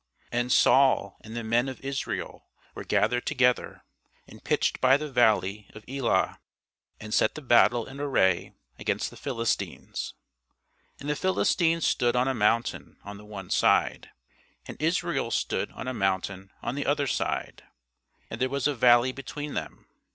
And Saul and the men of Israel were gathered together, and pitched by the valley of Elah, and set the battle in array against the Philistines. And the Philistines stood on a mountain on the one side, and Israel stood on a mountain on the other side; and there was a valley between them.